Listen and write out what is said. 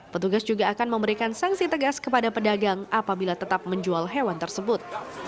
petugas juga akan memberikan sanksi tegas kepada pedagang apabila tetap menjual hewan tersebut